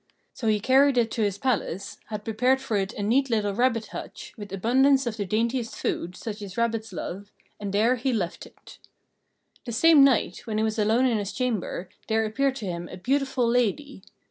So he carried it to his palace, had prepared for it a neat little rabbit hutch, with abundance of the daintiest food, such as rabbits love, and there he left it. The same night, when he was alone in his chamber, there appeared to him a beautiful lady.